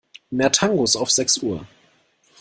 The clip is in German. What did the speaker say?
Mehr Tangos auf sechs Uhr.